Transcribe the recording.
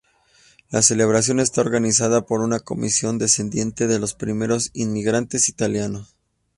La celebración está organizada por una Comisión descendiente de los primeros inmigrantes italianos.